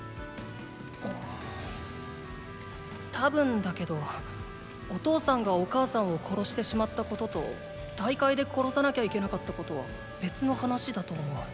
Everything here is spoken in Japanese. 多分だけどお父さんがお母さんを殺してしまったことと大会で殺さなきゃいけなかったことは別の話だと思う。